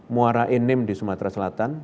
muara enim di sumatera selatan